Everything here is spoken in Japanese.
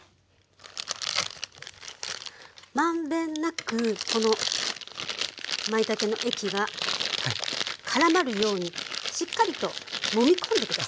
満遍なくこのまいたけの液がからまるようにしっかりともみ込んで下さい。